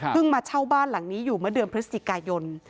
มาเช่าบ้านหลังนี้อยู่เมื่อเดือนพฤศจิกายน